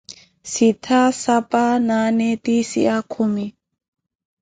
Sittha, spa, naane, tiisiya, kumi.